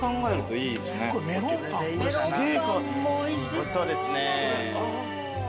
おいしそうですね。